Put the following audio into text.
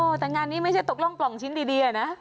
แต่งานนี้ไม่ใช่ตกร่องปล่องชิ้นดีอะนะ